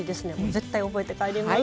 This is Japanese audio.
絶対覚えて帰ります。